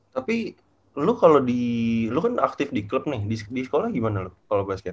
tapi lo kalo di lo kan aktif di club nih di sekolah gimana lo kalo bahas kayak